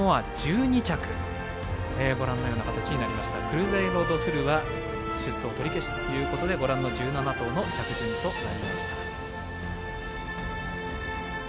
クルゼイロドスルは出走取り消しということでご覧の１７頭の着順となりました。